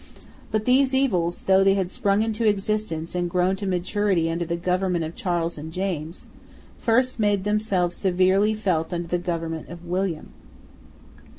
But these evils, though they had sprung into existence and grown to maturity under the government of Charles and James, first made themselves severely felt under the government of William.